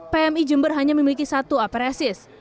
pmi jember hanya memiliki satu apresis